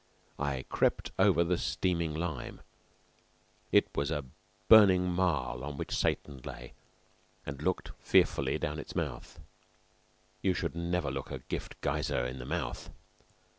I crept over the steaming lime it was the burning marl on which Satan lay and looked fearfully down its mouth. You should never look a gift geyser in the mouth.